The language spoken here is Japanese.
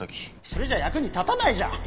それじゃ役に立たないじゃん。